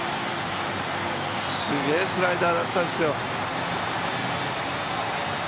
すげえスライダーだったですよ。